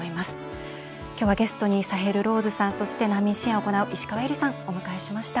今日はゲストにサヘル・ローズさんそして難民支援を行う石川えりさんお迎えしました。